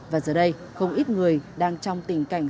và giờ đây không ít người đang trong tình cảnh